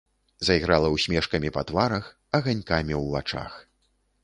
Зайграла ўсмешкамі па тварах, аганькамі ў вачах.